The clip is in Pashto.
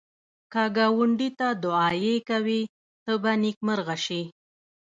که ګاونډي ته دعایې کوې، ته به نېکمرغه شې